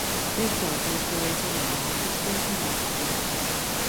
Their daughter, Teresa Rabal, is also an actress.